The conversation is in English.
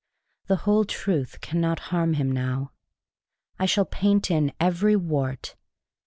The whole truth cannot harm him now. I shall paint in every wart.